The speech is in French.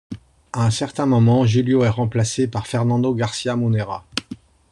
À un certain moment, Julio est remplacé par Fernando García Munera.